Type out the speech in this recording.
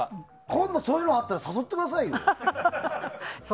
今度そういうのあったら誘ってくださいよ。